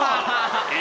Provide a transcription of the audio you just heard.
え！